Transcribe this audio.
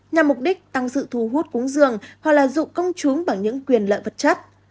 nhằm mục đích tăng sự thu hút cúng dường hoặc là dụ công chúng bằng những quyền lợi vật chất